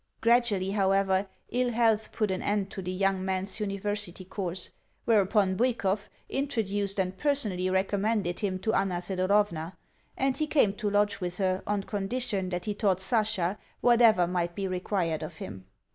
Gradually, however, ill health put an end to the young man's university course; whereupon Bwikov introduced and personally recommended him to Anna Thedorovna, and he came to lodge with her on condition that he taught Sasha whatever might be required of him.